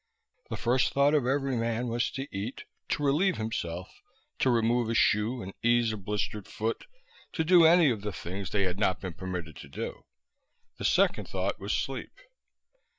The first thought of every man was to eat, to relieve himself, to remove a shoe and ease a blistered foot to do any of the things they had not been permitted to do. The second thought was sleep.